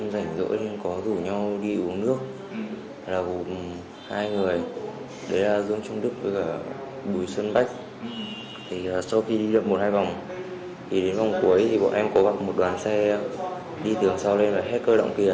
đi lập một hai vòng thì đến vòng cuối thì bọn em cố gắng một đoàn xe đi tưởng sau lên là hết cơ động kìa